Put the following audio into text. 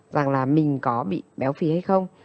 rằng là mình có bị béo phi hay không